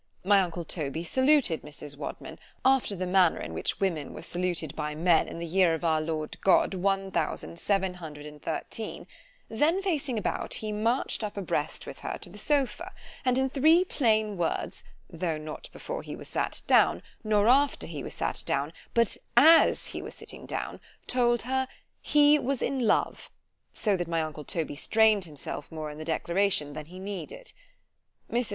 My uncle Toby saluted Mrs. Wadman, after the manner in which women were saluted by men in the year of our Lord God one thousand seven hundred and thirteen——then facing about, he march'd up abreast with her to the sopha, and in three plain words——though not before he was sat down——nor after he was sat down——but as he was sitting down, told her, "he was in love"——so that my uncle Toby strained himself more in the declaration than he needed. Mrs.